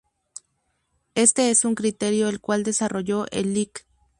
Este es un criterio el cual desarrolló el Lic.